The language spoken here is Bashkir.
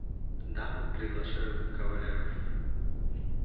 Дамы приглашают кавалеров!